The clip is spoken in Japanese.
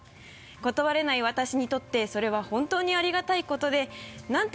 「断れない私にとってそれは本当にありがたいことでなんて